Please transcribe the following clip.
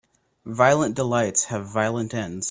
Violent delights have violent ends